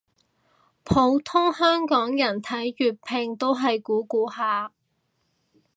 普通香港人睇粵拼都係估估下